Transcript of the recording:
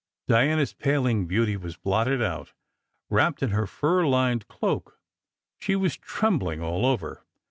Diana s paling beauty was blotted out. Wrapped in her fur lined cloak, she was trembling all over.